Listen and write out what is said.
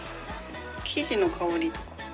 生地の香りとか。